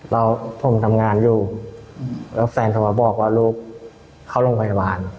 แล้วผมทำงานอยู่แล้วแฟนโทรมาบอกว่าลูกเข้าโรงพยาบาล